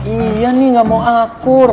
iya nih gak mau akur